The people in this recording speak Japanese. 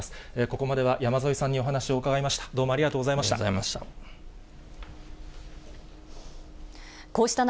ここまでは山添さんにお話を伺いました。